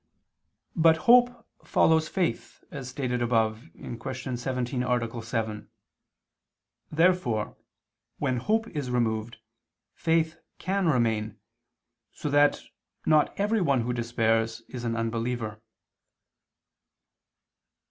But hope follows faith, as stated above (Q. 17, A. 7). Therefore when hope is removed, faith can remain; so that, not everyone who despairs, is an unbeliever.